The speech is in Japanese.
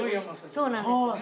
そうなんです。